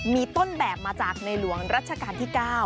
มีต้นแบบมาจากในหลวงรัชกาลที่๙